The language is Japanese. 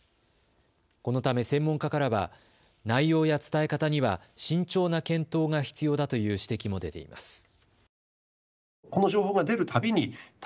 このため専門家からは内容や伝え方には慎重な検討が必要だという指摘も出ています。